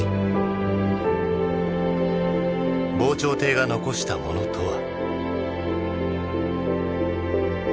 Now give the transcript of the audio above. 防潮堤が残したものとは。